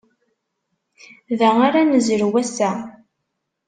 Da ara nezrew ass-a.